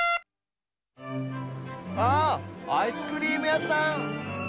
ああアイスクリームやさん。